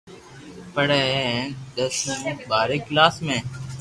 پڙي ھي ھين دس مون ٻاري ڪلاس ۾